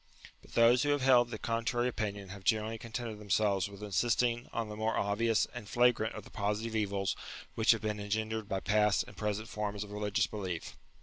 But those who have held the contrary opinion have generally contented them selves with insisting on the more obvious and flagrant of the positive evils which have been engen dered by past and present forms of religious belief.